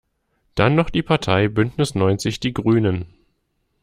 Dann noch die Partei Bündnis neunzig die Grünen.